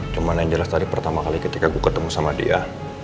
cuman yang jelas tadi pertama kali ketika gue ketemu sama dia